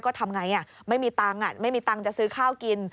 ก็ทำไงไม่มีตังค์ไม่มีตังค์จะซื้อข้าวกิน